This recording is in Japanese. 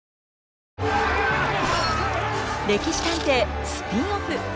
「歴史探偵」スピンオフ。